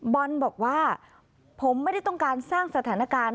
บอลบอกว่าผมไม่ได้ต้องการสร้างสถานการณ์